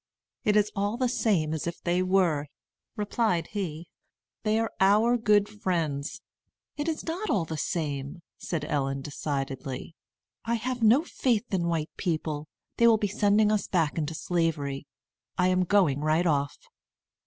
"It is all the same as if they were," replied he. "They are our good friends." "It is not all the same," said Ellen, decidedly. "I have no faith in white people. They will be sending us back into Slavery. I am going right off."